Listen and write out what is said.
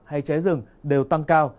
hay cháy rừng đều tăng cao